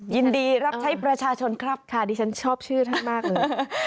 ยินดีรับใช้ประชาชนครับค่ะดิฉันชอบชื่อท่านมากเลย